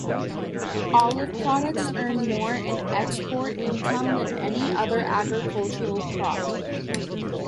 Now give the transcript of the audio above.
Olive products earn more in export income than any other agricultural crop.